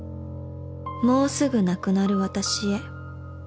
「もうすぐ亡くなる私へ」